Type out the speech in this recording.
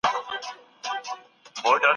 دوی يوازې د مسيحيت تبليغ غوښت.